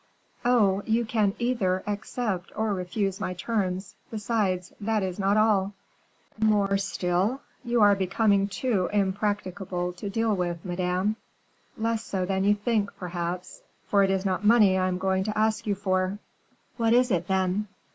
"Oh, you can either accept or refuse my terms; besides, that is not all." "More still! you are becoming too impracticable to deal with, madame." "Less so than you think, perhaps, for it is not money I am going to ask you for." "What is it, then?"